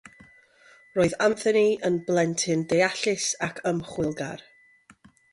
Roedd Anthony yn blentyn deallus ac ymchwilgar.